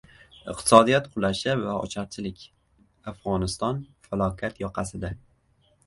Iqtisodiyot qulashi va ocharchilik: Afg‘oniston falokat yoqasida